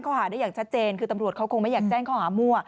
คือตำรวจเขาคงไม่อยากแจ้งเข้าหามั่ว